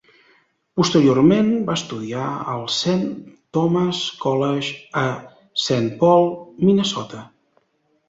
Posteriorment va estudiar al Saint Thomas College a Saint Paul, Minnesota.